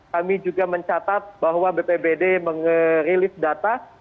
kami juga mencatat bahwa bpbd meng release data